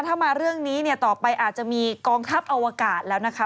ถ้ามาเรื่องนี้เนี่ยต่อไปอาจจะมีกองทัพอวกาศแล้วนะคะ